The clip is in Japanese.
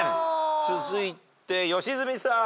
続いて良純さん。